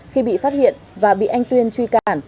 khi bị phát hiện và bị anh tuyên truy cản